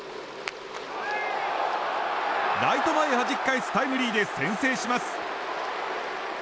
ライト前へはじき返すタイムリーで先制します。